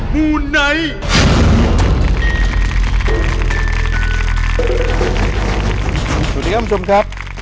สวัสดีครับคุณผู้ชมครับ